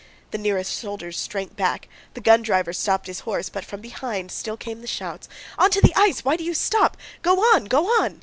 The nearest soldiers shrank back, the gun driver stopped his horse, but from behind still came the shouts: "Onto the ice, why do you stop? Go on! Go on!"